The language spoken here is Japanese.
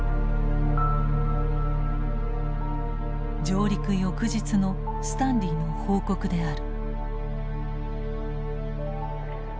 上陸翌日のスタンリーの報告である。